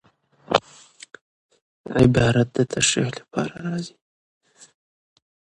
عبارت د تشریح له پاره راځي.